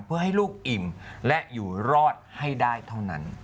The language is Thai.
เพื่อให้ลูกอิ่มและอยู่รอดให้ได้เท่านั้น